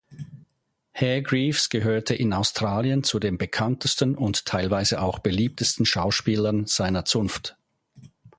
Hargreaves gehörte in Australien zu den bekanntesten und teilweise auch beliebtesten Schauspielern seiner Zunft.